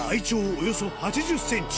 およそ８０ｃｍ